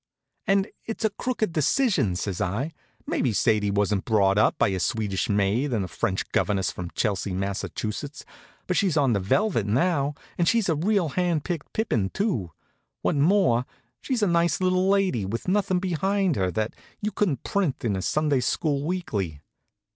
"And it's a crooked decision," says I. "Maybe Sadie wasn't brought up by a Swedish maid and a French governess from Chelsea, Mass.; but she's on velvet now, and she's a real hand picked pippin, too. What's more, she's a nice little lady, with nothin' behind her that you couldn't print in a Sunday school weekly.